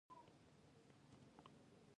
د پي ايچ ډي کارونه هم پرې روان دي